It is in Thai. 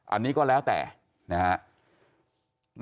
อันนี้ก็แล้วแต่นะครับ